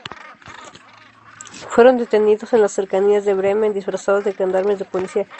Fueron detenidos en las cercanías de Bremen disfrazados de gendarmes de Policía.